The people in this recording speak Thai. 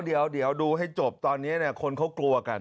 เออเดี๋ยวดูให้จบตอนนี้เนี่ยคนเค้ากลัวกัน